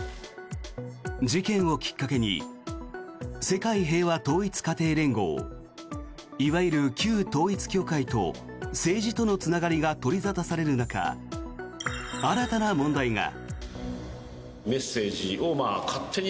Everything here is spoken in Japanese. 事件をきっかけに世界平和統一家庭連合いわゆる旧統一教会と政治とのつながりが取り沙汰される中新たな問題が。